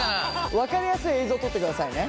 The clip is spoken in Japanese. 分かりやすい映像撮ってくださいね。